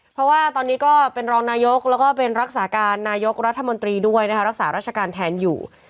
เพราะว่าตอนนี้ก็เป็นรองนายกแล้วก็เป็นรักษาการนายกรัฐมนตรีด้วยนะคะรักษาราชการแทนอยู่